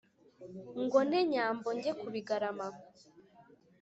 ngo nte nyambo njye ku bigarama,